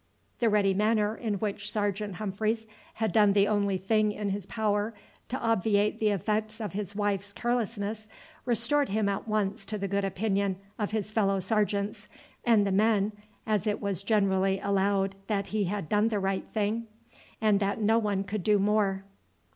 The ready manner in which Sergeant Humphreys had done the only thing in his power to obviate the effects of his wife's carelessness restored him at once to the good opinion of his fellow sergeants and the men, as it was generally allowed that he had done the right thing, and that no one could do more.